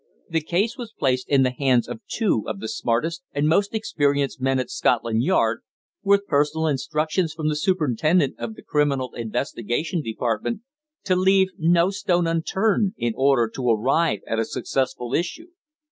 "The case was placed in the hands of two of the smartest and most experienced men at Scotland Yard, with personal instructions from the Superintendent of the Criminal Investigation Department to leave no stone unturned in order to arrive at a successful issue."